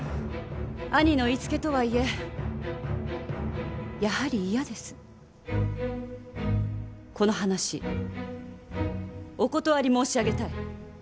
兄の言いつけとはいえこの話お断り申し上げたい。